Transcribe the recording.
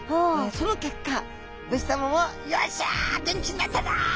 その結果武士さまも「よっしゃ元気になったぞ」。